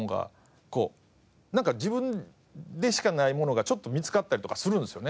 こう自分でしかないものがちょっと見つかったりとかするんですよね。